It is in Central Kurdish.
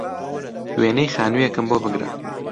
وێنەی خانووێکم بۆ بگرە